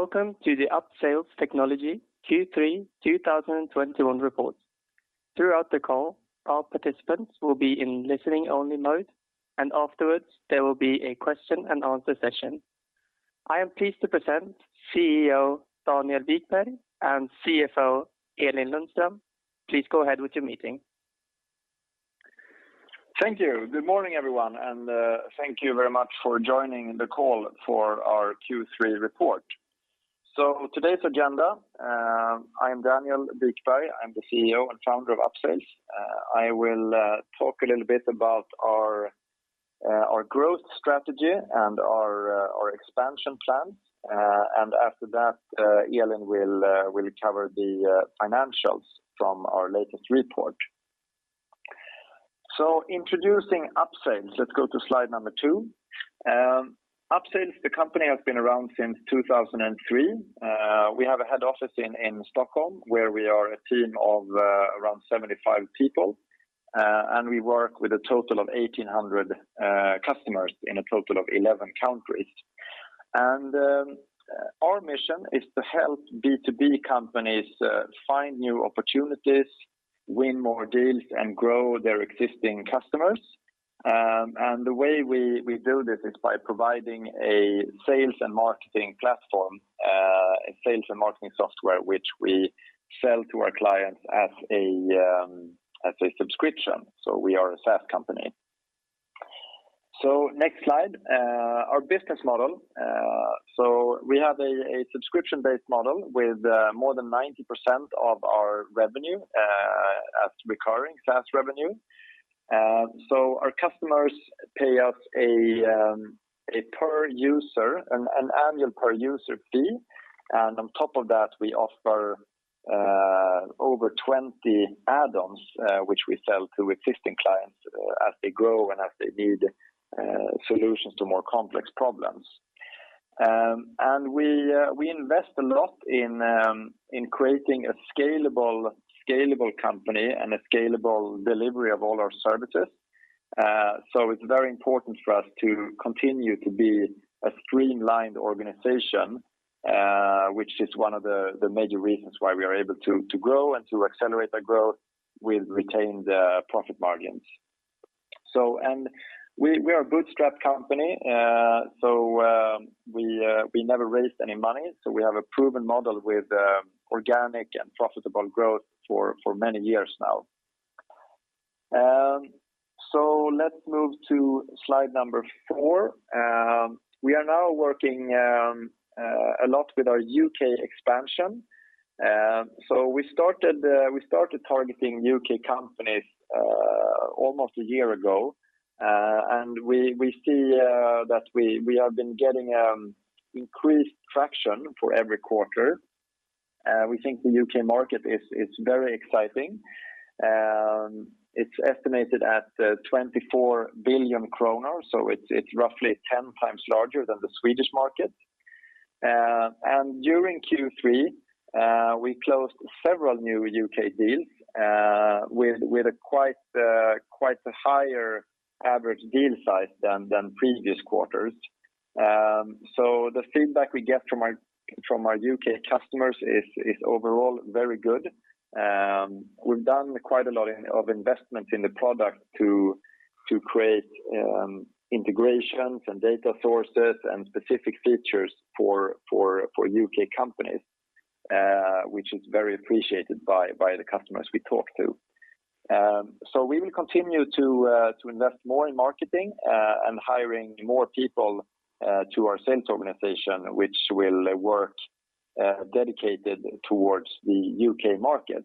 Welcome to the Upsales Technology Q3 2021 report. Throughout the call, all participants will be in listening only mode, and afterwards, there will be a question-and-answer session. I am pleased to present CEO Daniel Wikberg and CFO Elin Lundström. Please go ahead with your meeting. Thank you. Good morning, everyone, and thank you very much for joining the call for our Q3 report. Today's agenda, I'm Daniel Wikberg. I'm the CEO and Founder of Upsales. I will talk a little bit about our growth strategy and our expansion plans. After that, Elin will cover the financials from our latest report. Introducing Upsales, let's go to slide number two. Upsales, the company, has been around since 2003. We have a head office in Stockholm, where we are a team of around 75 people. We work with a total of 1,800 customers in a total of 11 countries. Our mission is to help B2B companies find new opportunities, win more deals, and grow their existing customers. The way we do this is by providing a sales and marketing platform, a sales and marketing software which we sell to our clients as a subscription, so we are a SaaS company. Next slide, our business model. We have a subscription-based model with more than 90% of our revenue as recurring SaaS revenue. Our customers pay us an annual per user fee. On top of that, we offer over 20 add-ons, which we sell to existing clients as they grow and as they need solutions to more complex problems. We invest a lot in creating a scalable company and a scalable delivery of all our services. It's very important for us to continue to be a streamlined organization, which is one of the major reasons why we are able to grow and to accelerate our growth with retained profit margins. We are a bootstrap company, so we never raised any money, so we have a proven model with organic and profitable growth for many years now. Let's move to slide number four. We are now working a lot with our U.K. expansion. We started targeting U.K. companies almost a year ago. We see that we have been getting increased traction for every quarter. We think the U.K. market is very exciting. It's estimated at 24 billion kronor, so it's roughly 10x larger than the Swedish market. During Q3, we closed several new U.K. deals with quite a higher average deal size than previous quarters. The feedback we get from our U.K. customers is overall very good. We've done quite a lot of investment in the product to create integrations and data sources and specific features for U.K. companies, which is very appreciated by the customers we talk to. We will continue to invest more in marketing and hiring more people to our sales organization, which will work dedicated towards the U.K. market.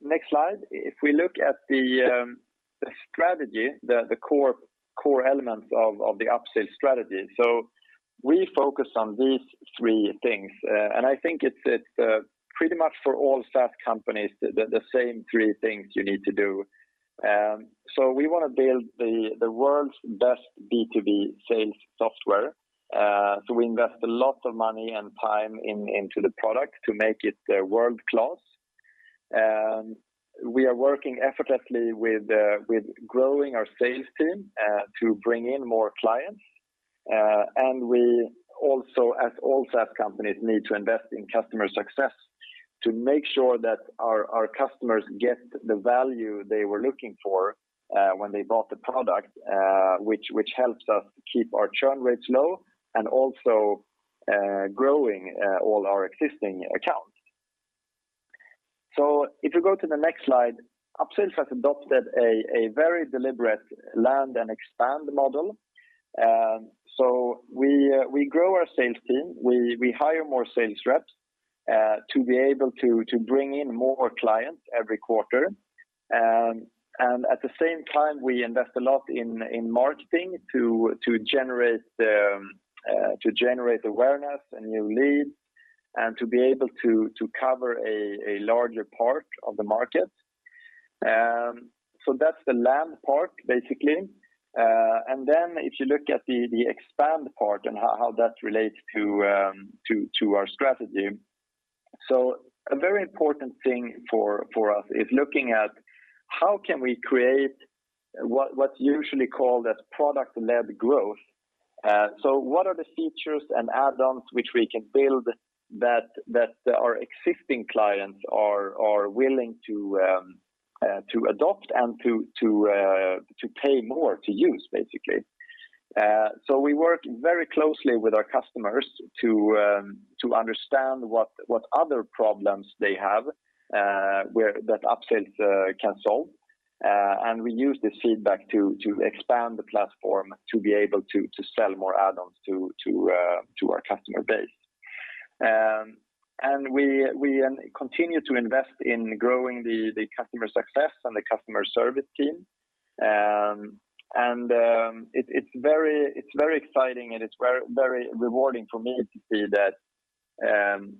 Next slide. If we look at the strategy, the core elements of the Upsales strategy. We focus on these three things. I think it's pretty much for all SaaS companies, the same three things you need to do. We wanna build the world's best B2B sales software, so we invest a lot of money and time into the product to make it world-class. We are working effortlessly with growing our sales team to bring in more clients. We also, as all SaaS companies, need to invest in customer success to make sure that our customers get the value they were looking for when they bought the product, which helps us keep our churn rates low and also growing all our existing accounts. If you go to the next slide, Upsales has adopted a very deliberate land and expand model. We grow our sales team. We hire more sales reps to be able to bring in more clients every quarter. At the same time, we invest a lot in marketing to generate awareness and new leads and to be able to cover a larger part of the market. That's the land part, basically. If you look at the expand part and how that relates to our strategy. A very important thing for us is looking at how can we create what's usually called as product-led growth. What are the features and add-ons which we can build that our existing clients are willing to adopt and to pay more to use, basically. We work very closely with our customers to understand what other problems they have where Upsales can solve. We use this feedback to expand the platform to be able to sell more add-ons to our customer base. We continue to invest in growing the customer success and the customer service team. It's very exciting and it's very rewarding for me to see that.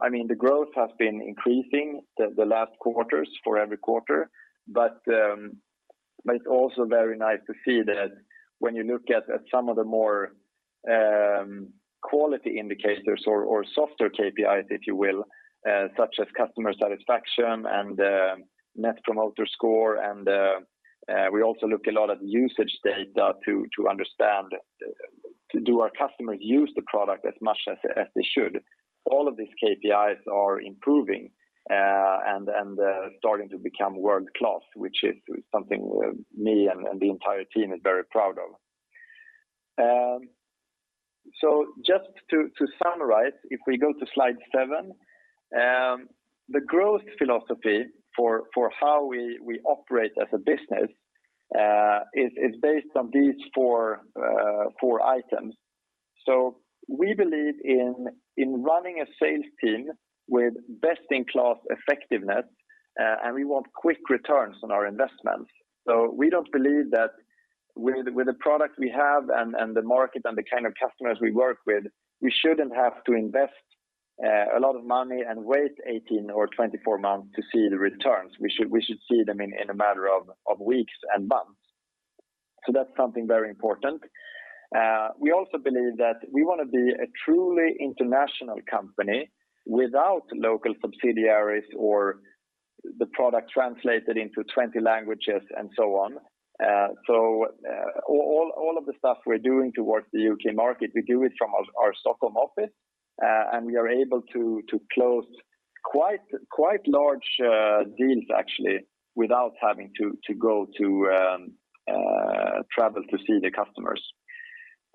I mean, the growth has been increasing the last quarters for every quarter. It's also very nice to see that when you look at some of the more quality indicators or softer KPIs, if you will, such as customer satisfaction and net promoter score and we also look a lot at usage data to understand, do our customers use the product as much as they should. All of these KPIs are improving and starting to become world-class, which is something me and the entire team is very proud of. Just to summarize, if we go to slide seven, the growth philosophy for how we operate as a business is based on these four items. We believe in running a sales team with best-in-class effectiveness and we want quick returns on our investments. We don't believe that with the product we have and the market and the kind of customers we work with, we shouldn't have to invest a lot of money and wait 18 or 24 months to see the returns. We should see them in a matter of weeks and months. That's something very important. We also believe that we wanna be a truly international company without local subsidiaries or the product translated into 20 languages and so on. All of the stuff we're doing towards the U.K. market, we do it from our Stockholm office, and we are able to close quite large deals actually, without having to go to travel to see the customers.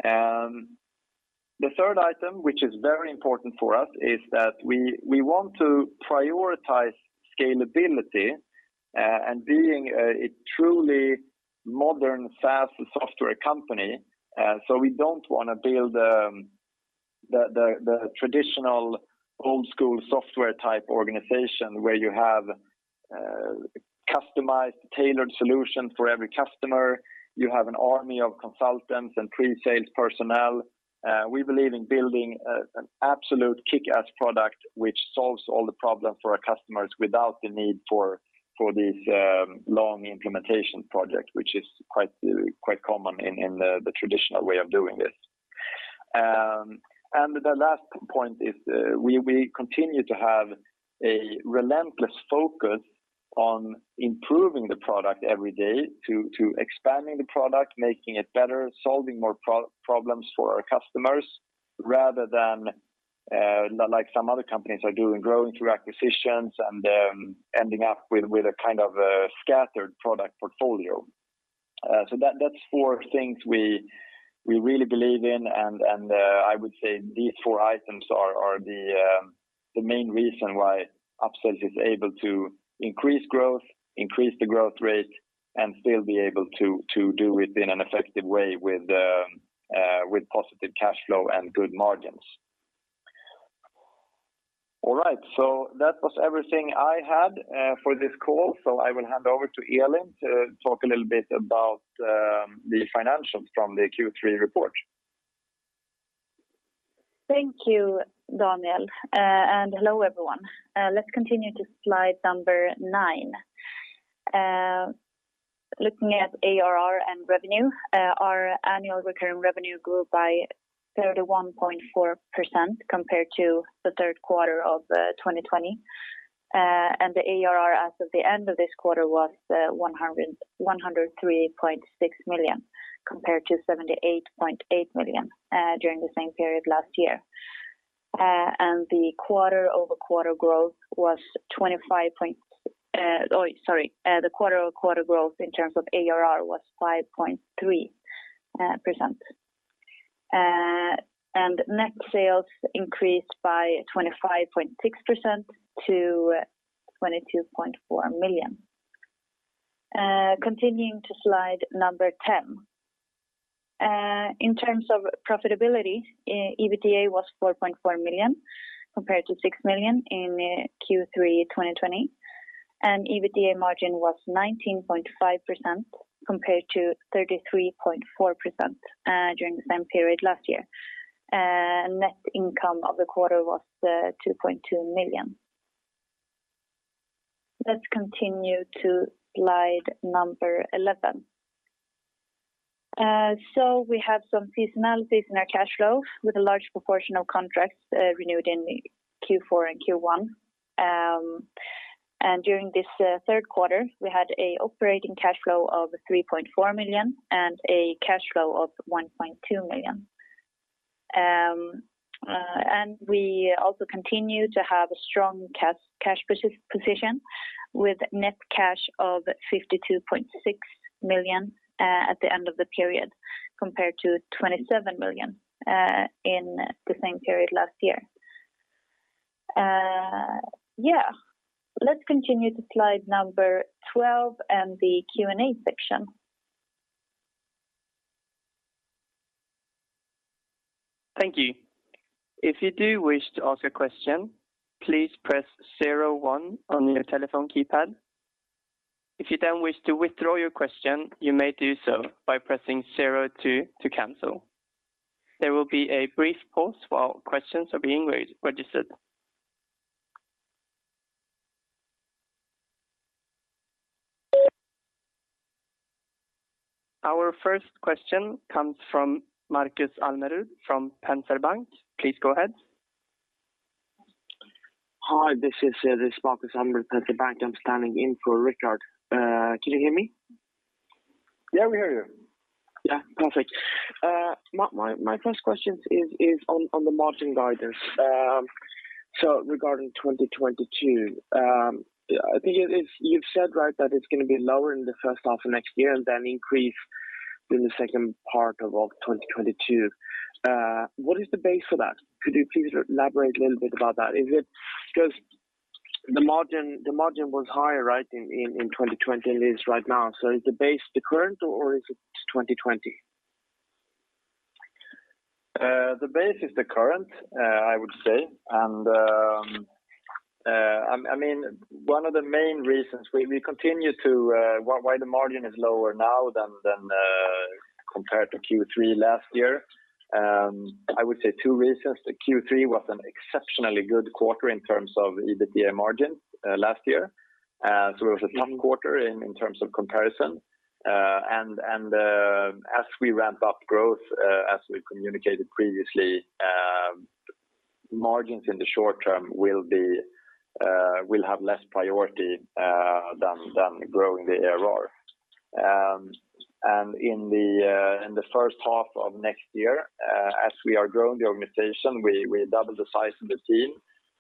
The third item, which is very important for us, is that we want to prioritize scalability and being a truly modern SaaS software company. We don't wanna build the traditional old-school software type organization where you have customized tailored solution for every customer. You have an army of consultants and pre-sales personnel. We believe in building an absolute kickass product which solves all the problems for our customers without the need for these long implementation project, which is quite common in the traditional way of doing this. The last point is, we continue to have a relentless focus on improving the product every day to expanding the product, making it better, solving more problems for our customers, rather than, like some other companies are doing, growing through acquisitions and ending up with a kind of a scattered product portfolio. That's four things we really believe in and I would say these four items are the main reason why Upsales is able to increase growth, increase the growth rate, and still be able to do it in an effective way with positive cash flow and good margins. All right, that was everything I had for this call. I will hand over to Elin to talk a little bit about the financials from the Q3 report. Thank you, Daniel. Hello, everyone. Let's continue to slide number nine. Looking at ARR and revenue, our annual recurring revenue grew by 31.4% compared to the third quarter of 2020. The ARR as of the end of this quarter was 103.6 million compared to 78.8 million during the same period last year. The quarter-over-quarter growth in terms of ARR was 5.3%. Net sales increased by 25.6% to 22.4 million. Continuing to slide number ten. In terms of profitability, EBITDA was 4.4 million compared to 6 million in Q3 2020. EBITDA margin was 19.5% compared to 33.4% during the same period last year. Net income of the quarter was 2.2 million. Let's continue to slide number 11. We have some seasonality in our cash flow with a large proportion of contracts renewed in Q4 and Q1. During this third quarter, we had an operating cash flow of 3.4 million and a cash flow of 1.2 million. We also continue to have a strong cash position with net cash of 52.6 million at the end of the period, compared to 27 million in the same period last year. Let's continue to slide number 12 and the Q&A section. Our first question comes from Markus Almerud from Penser Bank. Please go ahead. Hi, this is Markus Almerud, Penser Bank. I'm standing in for Richard. Can you hear me? Yeah, we hear you. Yeah. Perfect. My first question is on the margin guidance. So regarding 2022, I think it is. You've said, right, that it's gonna be lower in the first half of next year and then increase in the second part of all 2022. What is the base for that? Could you please elaborate a little bit about that? Is it just the margin, the margin was higher, right, in 2020 at least right now. Is the base the current or is it 2020? The base is the current, I would say. I mean, one of the main reasons why the margin is lower now than compared to Q3 last year, I would say two reasons. Q3 was an exceptionally good quarter in terms of EBITDA margin last year. It was a tough quarter in terms of comparison. As we ramp up growth, as we communicated previously, margins in the short term will have less priority than growing the ARR. In the first half of next year, as we are growing the organization, we doubled the size of the team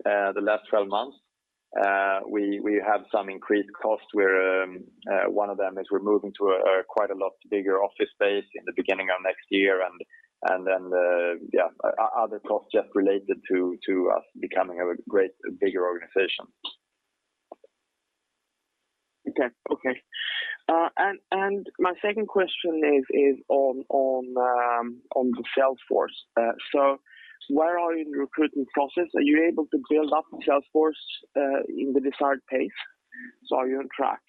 the last 12 months. We have some increased costs where one of them is we're moving to a quite a lot bigger office space in the beginning of next year. Other costs just related to us becoming a bigger organization. Okay, okay. My second question is on the sales force. Where are you in the recruiting process? Are you able to build up the sales force in the desired pace? Are you on track?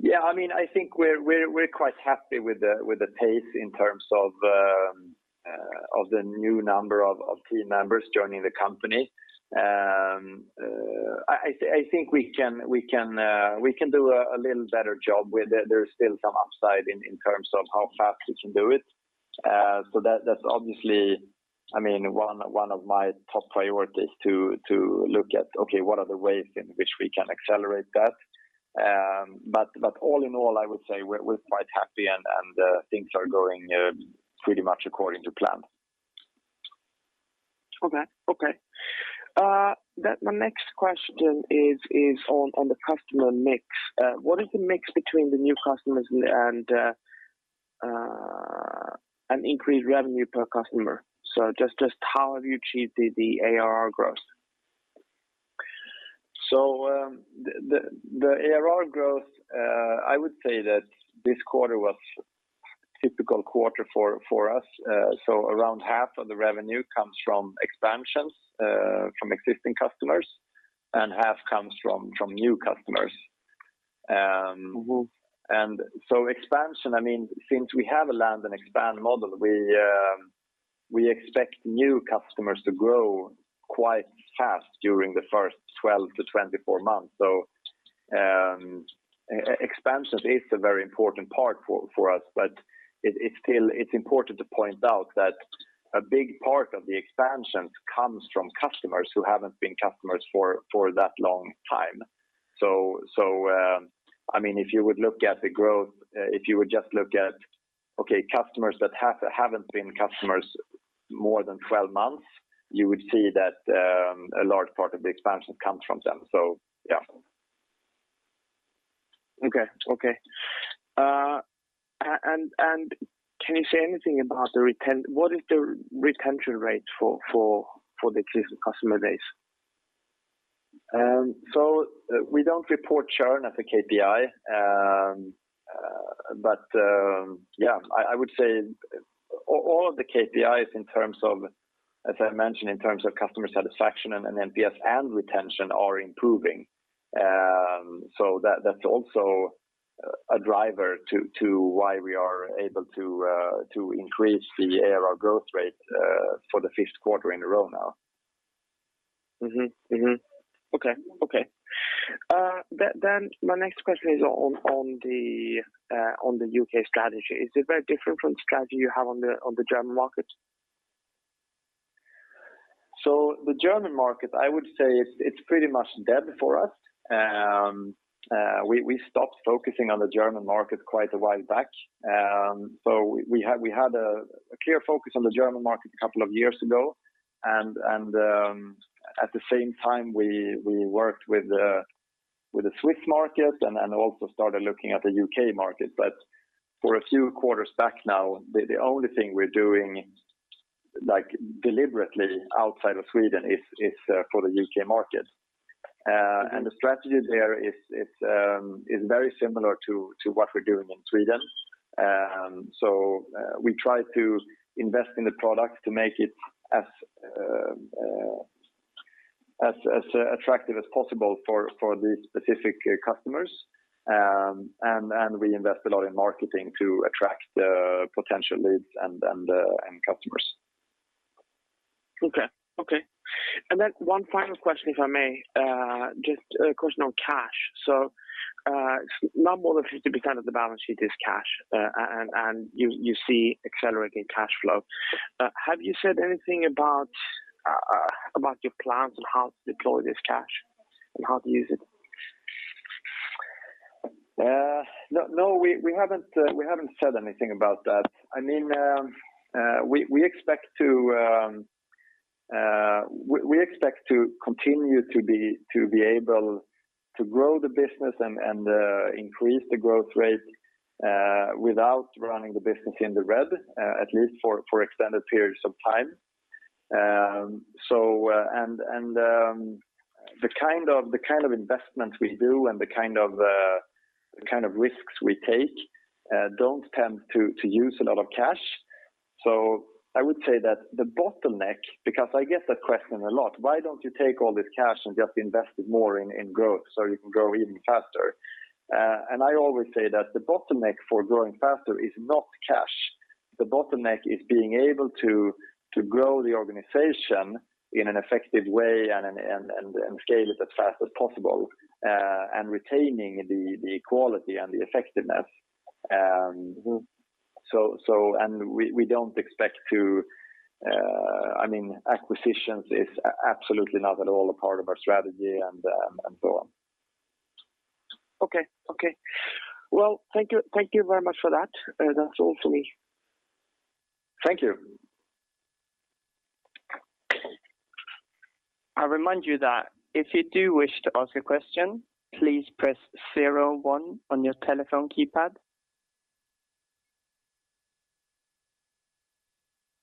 Yeah. I mean, I think we're quite happy with the pace in terms of the new number of team members joining the company. I think we can do a little better job. There's still some upside in terms of how fast we can do it. So that's obviously, I mean, one of my top priorities to look at, okay, what are the ways in which we can accelerate that. All in all, I would say we're quite happy and things are going pretty much according to plan. Okay. My next question is on the customer mix. What is the mix between the new customers and an increased revenue per customer? Just how have you achieved the ARR growth? The ARR growth, I would say that this quarter was a typical quarter for us. Around half of the revenue comes from expansions from existing customers, and half comes from new customers. Mm-hmm. Expansion, I mean, since we have a land and expand model, we expect new customers to grow quite fast during the first 12 to 24 months. Expansion is a very important part for us. It's still important to point out that a big part of the expansions comes from customers who haven't been customers for that long time. I mean, if you would look at the growth, if you would just look at customers that haven't been customers more than 12 months, you would see that a large part of the expansion comes from them. Yeah. Can you say anything about what is the retention rate for the existing customer base? We don't report churn as a KPI, but I would say all of the KPIs in terms of, as I mentioned, in terms of customer satisfaction and NPS and retention are improving. That's also a driver to why we are able to increase the ARR growth rate for the fifth quarter in a row now. Mm-hmm. Mm-hmm. Okay. Okay. My next question is on the U.K. strategy. Is it very different from the strategy you have on the German market? The German market, I would say it's pretty much dead for us. We stopped focusing on the German market quite a while back. We had a clear focus on the German market a couple of years ago. At the same time we worked with the Swiss market and also started looking at the U.K. market. For a few quarters back now, the only thing we're doing, like deliberately outside of Sweden is for the U.K. market. The strategy there is very similar to what we're doing in Sweden. We try to invest in the product to make it as attractive as possible for the specific customers. We invest a lot in marketing to attract the potential leads and customers. Okay. Then one final question, if I may. Just a question on cash. Not more than 50% of the balance sheet is cash. And you see accelerating cash flow. Have you said anything about your plans on how to deploy this cash and how to use it? No, we haven't said anything about that. I mean, we expect to continue to be able to grow the business and increase the growth rate without running the business in the red, at least for extended periods of time. The kind of investments we do and the kind of risks we take don't tend to use a lot of cash. I would say that the bottleneck, because I get that question a lot, "Why don't you take all this cash and just invest it more in growth so you can grow even faster?" I always say that the bottleneck for growing faster is not cash. The bottleneck is being able to grow the organization in an effective way and scale it as fast as possible and retaining the quality and the effectiveness. We don't expect to. I mean, acquisitions is absolutely not at all a part of our strategy and so on. Okay. Well, thank you. Thank you very much for that. That's all for me. Thank you. I remind you that if you do wish to ask a question, please press zero one on your telephone keypad.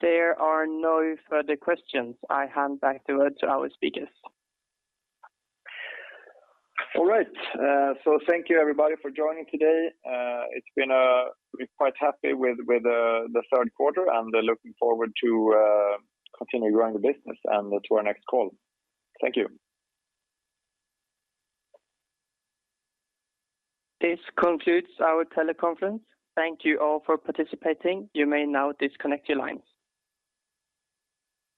There are no further questions. I hand back over to our speakers. All right. Thank you everybody for joining today. We're quite happy with the third quarter and looking forward to continue growing the business and to our next call. Thank you. This concludes our teleconference. Thank you all for participating. You may now disconnect your lines.